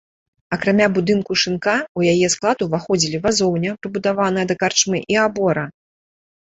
Акрамя будынку шынка, у яе склад уваходзілі вазоўня, прыбудаваная да карчмы і абора.